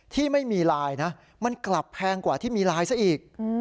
ที่ไม่มีไลน์นะมันกลับแพงกว่าที่มีไลน์ซะอีก